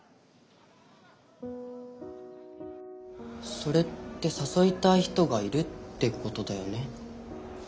それって誘いたい人がいるってことだよね？